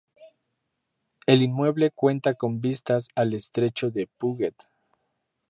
El inmueble cuenta con vistas al estrecho de Puget.